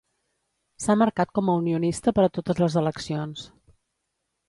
S'ha marcat com a unionista per a totes les eleccions.